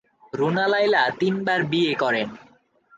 রুনা লায়লা তিনবার বিয়ে করেন।